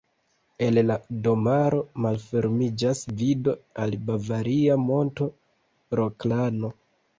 El la domaro malfermiĝas vido al bavaria monto Roklano.